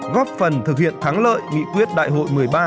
góp phần thực hiện thắng lợi nghị quyết đại hội một mươi ba